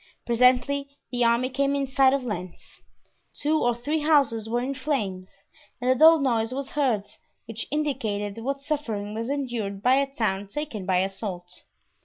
Presently the army came in sight of Lens; two or three houses were in flames and a dull noise was heard which indicated what suffering was endured by a town taken by assault.